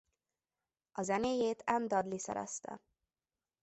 A zenéjét Anne Dudley szerezte.